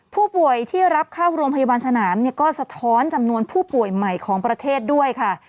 ผู้ป่วยที่รับเข้าโรงพยาบาลสนามก็สะท้อนจำนวนผู้ป่วยใหม่ของประเทศด้วยค่ะ